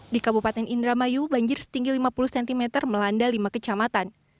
di kabupaten indramayu banjir setinggi lima puluh cm melanda lima kecamatan